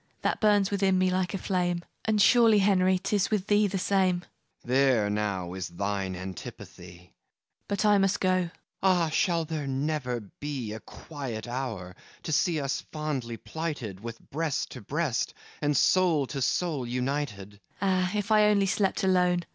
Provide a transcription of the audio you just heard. That burns within me like a flame, And surely, Henry, 'tis with thee the same. FAUST There, now, is thine antipathy! MARGARET But I must go. FAUST Ah, shall there never be A quiet hour, to see us fondly plighted, With breast to breast, and soul to soul united? MARGARET Ah, if I only slept alone!